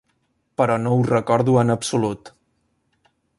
Però no ho recordo en absolut.